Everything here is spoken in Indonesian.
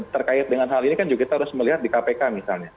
terkait dengan hal ini kan juga kita harus melihat di kpk misalnya